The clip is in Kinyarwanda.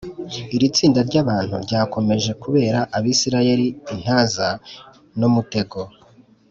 iri tsinda ry’aba bantu ryakomeje kubera abisiraheli intaza n’umutego.